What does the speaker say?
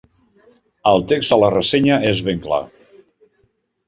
El text de la ressenya és ben clar.